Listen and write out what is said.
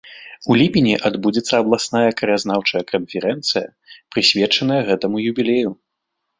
У ліпені адбудзецца абласная краязнаўчая канферэнцыя, прысвечаная гэтаму юбілею.